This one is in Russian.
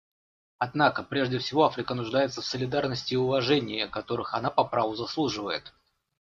Однако, прежде всего, Африка нуждается в солидарности и уважении, которых она по праву заслуживает.